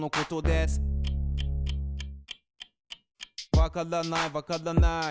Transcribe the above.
わからないわからない。